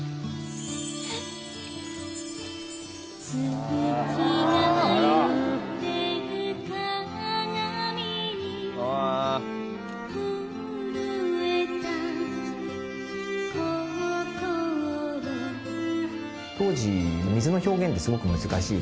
森田：当時、水の表現ってすごく難しい。